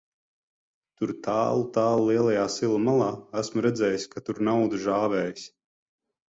Tur tālu, tālu lielajā sila malā, esmu redzējis, kā tur nauda žāvējas.